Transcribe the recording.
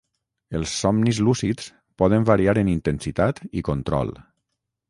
Els somnis lúcids poden variar en intensitat i control